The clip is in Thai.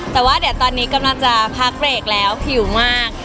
แต่ว่าเดี๋ยวตอนนี้กำลังจะพักเบรกแล้วผิวมาก